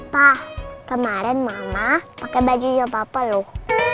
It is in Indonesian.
pak kemarin mama pakai baju papa loh